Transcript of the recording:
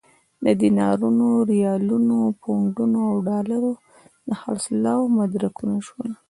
دینارونو، ریالونو، پونډونو او ډالرو د خرڅلاو مدرکونه شول.